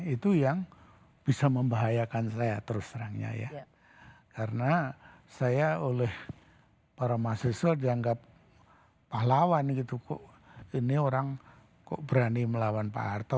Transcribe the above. itu yang bisa membahayakan saya terus terangnya ya karena saya oleh para mahasiswa dianggap pahlawan gitu kok ini orang kok berani melawan pak harto